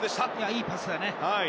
いいパスだよね。